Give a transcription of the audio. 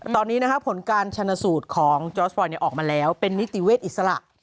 ตอนนี้ผลการชนสูตรของจอร์สบอยออกมาแล้วเป็นนิติเวชอิสระ